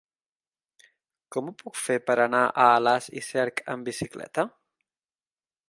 Com ho puc fer per anar a Alàs i Cerc amb bicicleta?